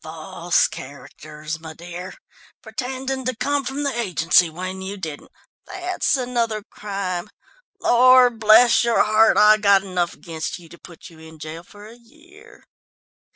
"False characters, my dear. Pretending to come from the agency, when you didn't. That's another crime. Lord bless your heart, I've got enough against you to put you in jail for a year."